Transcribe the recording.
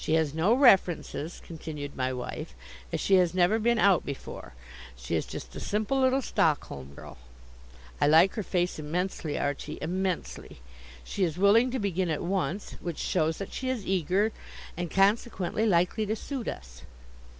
"She has no references," continued my wife, "as she has never been out before. She is just a simple little Stockholm girl. I like her face immensely, Archie immensely. She is willing to begin at once, which shows that she is eager, and consequently likely to suit us.